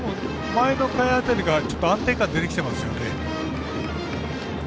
前の回辺りから安定感出てきてますよね。